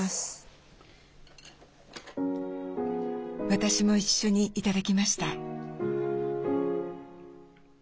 私も一緒に頂きました。